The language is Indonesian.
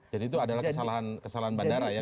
jadi itu adalah kesalahan bandara ya kalau di indonesia